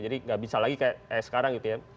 jadi nggak bisa lagi kayak sekarang gitu ya